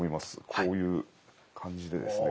こういう感じでですね。